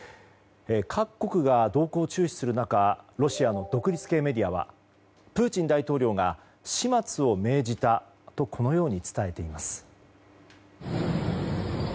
各国が動向を注視する中ロシアの独立系メディアはプーチン大統領が始末を命じたと伝えています。